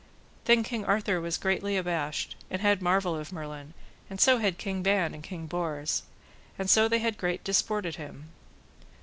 Then King Arthur was greatly abashed, and had marvel of Merlin, and so had King Ban and King Bors, and so they had great disport at him.